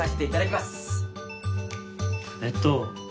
えっと